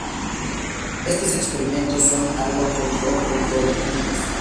Estos experimentos son algo controvertidos.